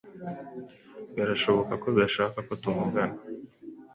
Birashoboka ko udashaka ko tuvugana.